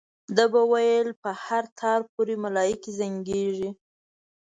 ده به ویل په هر تار پورې ملایکې زنګېږي.